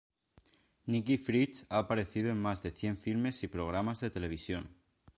Nikki Fritz ha aparecido en más de cien filmes y programas de televisión.